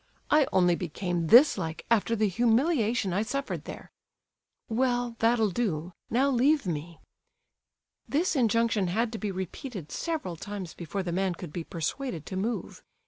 I only became this like after the humiliation I suffered there." "Well—that'll do; now leave me." This injunction had to be repeated several times before the man could be persuaded to move.